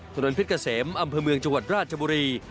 ถนนเพชรเกษมอำเภอเมืองจังหวัดราชบุรี